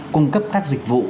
cung cấp các dịch vụ